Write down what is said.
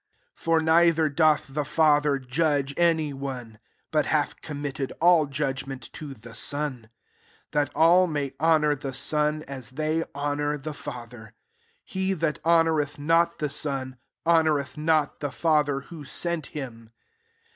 22 For neither doth the Father judge any one : but hath com mitted all judgment to the Son; 23 that all may honour the Son, as they honour the Father. He that honouretb not the Son, ho noureth not the Father who sent him.